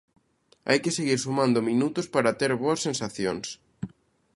Hai que seguir sumando minutos para ter boas sensacións.